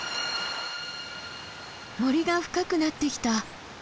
森が深くなってきた。